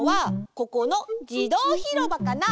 ここのじどうひろばかな？